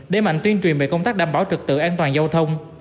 để mạnh tuyên truyền về công tác đảm bảo trực tự an toàn giao thông